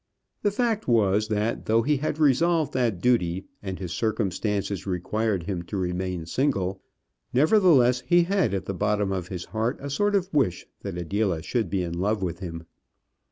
The fact was, that though he had resolved that duty and his circumstances required him to remain single, nevertheless, he had at the bottom of his heart a sort of wish that Adela should be in love with him.